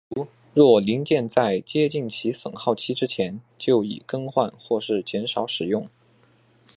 例如若零件在接近其损耗期之前就已更换或是减少使用。